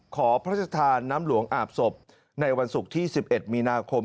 ขอพระราชทานน้ำหลวงอาบศพในวันศุกร์ที่๑๑มีนาคม